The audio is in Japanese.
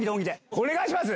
お願いします！